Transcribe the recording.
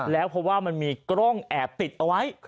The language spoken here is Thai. แล้วเพราะว่ามันมีกล้องแอบติดเอาไว้